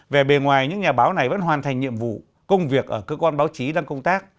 về bề ngoài những nhà báo này vẫn hoàn thành nhiệm vụ công việc ở cơ quan báo chí đang công tác